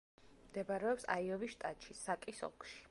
მდებარეობს აიოვის შტატში, საკის ოლქში.